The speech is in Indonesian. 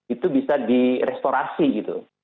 itu bisa direstorasi gitu